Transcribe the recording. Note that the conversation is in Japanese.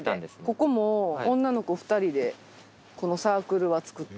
ここも女の子２人でこのサークルは作った。